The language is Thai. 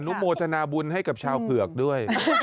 โมทนาบุญให้กับชาวเผือกด้วย